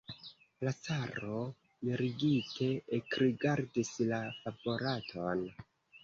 La caro mirigite ekrigardis la favoraton.